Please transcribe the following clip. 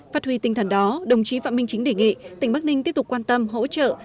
phát huy tinh thần đó đồng chí phạm minh chính đề nghị tỉnh bắc ninh tiếp tục quan tâm hỗ trợ